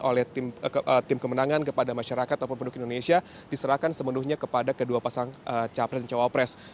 oleh tim kemenangan kepada masyarakat atau penduduk indonesia diserahkan sepenuhnya kepada kedua pasang capres dan cawapres